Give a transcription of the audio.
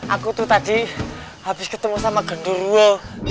aku tuh tadi habis ketemu sama genduruwo